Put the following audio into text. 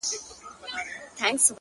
زنګ وهلی د خوشال د توري شرنګ یم ـ